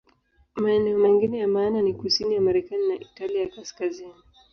Maeneo mengine ya maana ni kusini ya Marekani na Italia ya Kaskazini.